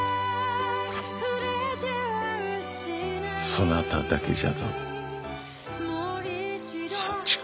そなただけじゃぞ祥子。